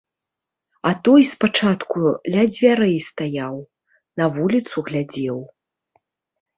А той спачатку ля дзвярэй стаяў, на вуліцу глядзеў.